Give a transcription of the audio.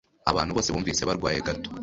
Abantu bose bumvise barwaye gato